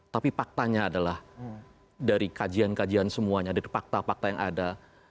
tapi faktanya adalah dari kajian kajian semuanya dari fakta fakta yang ada